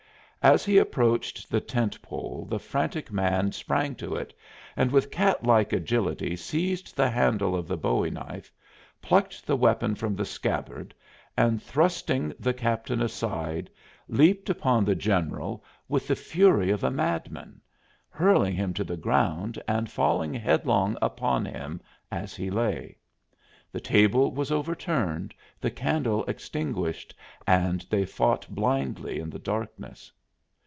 As he approached the tent pole the frantic man sprang to it and with cat like agility seized the handle of the bowie knife, plucked the weapon from the scabbard and thrusting the captain aside leaped upon the general with the fury of a madman, hurling him to the ground and falling headlong upon him as he lay. The table was overturned, the candle extinguished and they fought blindly in the darkness.